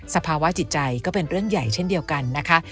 สภาวะจิตใจก็เป็นเรื่องใหญ่เช่นเดียวกันนะคะ